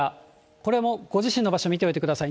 これもご自身の場所、見ておいてください。